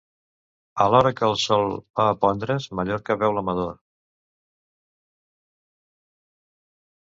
A l’hora que el sol va a pondre's, Mallorca veu l’amador.